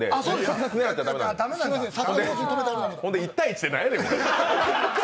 ほんで１対１で何やねん！